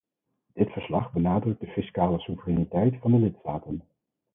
Dit verslag benadrukt de fiscale soevereiniteit van de lidstaten.